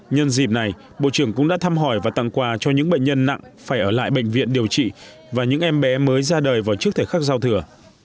nhân dịp này bộ trưởng cũng đã thăm hỏi và tặng quà cho những bệnh nhân nặng phải ở lại bệnh viện điều trị và những em bé mới ra đời vào trước thời khắc giao thừa